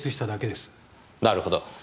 なるほど。